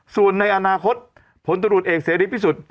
ส่วนในอนาคตผลตรวจเอกเสียดีที่สุด